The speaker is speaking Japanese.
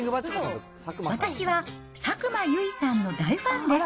私は佐久間由衣さんの大ファンです。